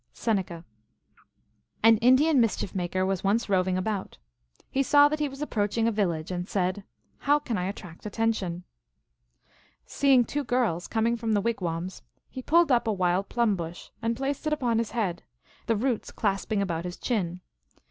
(Seneca.) An Indian mischief maker was once roving about. He saw that he was approaching a village, and said, " How can I attract attention ?" Seeing two girls coming from the wigwams, he pulled up a wild plum bush and placed it upon his head, the roots clasping about his chin.